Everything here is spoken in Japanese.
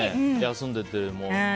休んでても。